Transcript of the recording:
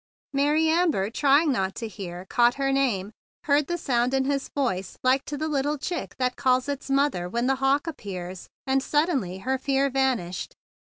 Mary Amber, trying not to hear, had caught her name, heard the sound in his voice like to the little chick that calls its mother when the hawk appears; and suddenly her fear vanished.